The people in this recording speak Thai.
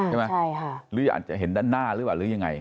ใช่ไหมอาจจะเห็นด้านหน้าหรือยังไง